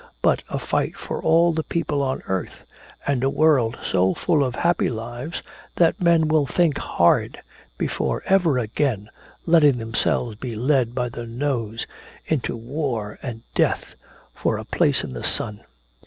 But a fight for all the people on earth! and a world so full of happy lives that men will think hard before ever again letting themselves be led by the nose into war and death for a place in the sun!"